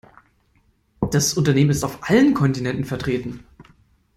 Das Unternehmen ist auf allen Kontinenten vertreten.